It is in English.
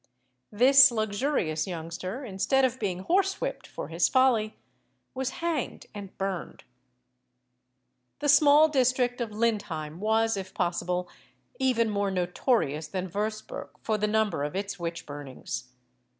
This luxurious youngster, instead of being horsewhipped for his folly, was hanged and burned. The small district of Lindheim was, if possible, even more notorious than Würzburg for the number of its witch burnings.